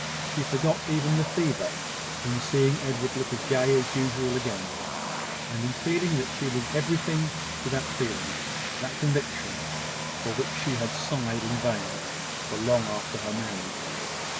She forgot even the fever, in seeing Edward look as gay as usual again, and in feeling that she was everything to that feeling, that conviction, for which she had sighed in vain, for long after her marriage.